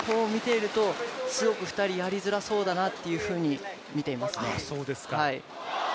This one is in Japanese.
すごく２人やりづらそうだなと見ていますね。